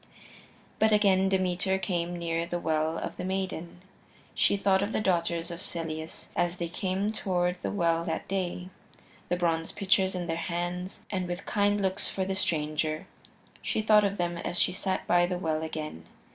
But again Demeter came near the Well of the Maiden. She thought of the daughters of Celeus as they came toward the well that day, the bronze pitchers in their hands, and with kind looks for the stranger she thought of them as she sat by the well again.